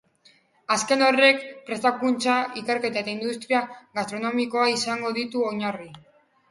Azken horrek prestakuntza, ikerketa eta industria gastronomikoa izango ditu oinarri.